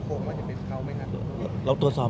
หมอบรรยาหมอบรรยา